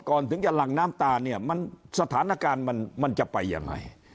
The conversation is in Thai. ถึงจะหลั่งน้ำตาเนี่ยมันสถานการณ์มันมันจะไปยังไง